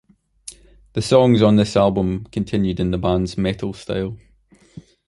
The songs on this album continued in the band's metal style.